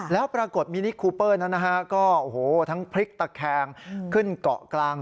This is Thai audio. แล้วปรากฏมินิคูเปอร์นั้นนะฮะก็ทั้งพลิกตะแคงขึ้นเกาะกลาง